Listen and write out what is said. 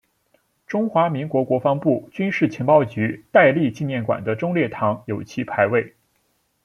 中华民国国防部军事情报局戴笠纪念馆内的忠烈堂有其牌位。